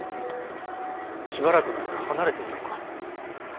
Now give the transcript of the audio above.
しばらくの間離れていようか。